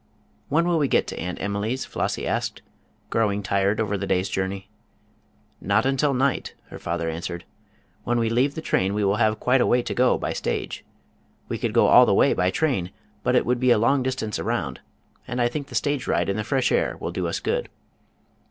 "When will we get to Aunt Emily's?" Flossie asked, growing tired over the day's journey. "Not until night," her father answered. "When we leave the train we will have quite a way to go by stage. We could go all the way by train, but it would be a long distance around, and I think the stage ride in the fresh air will do us good."